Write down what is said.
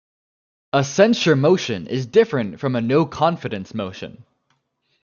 A censure motion is different from a no-confidence motion.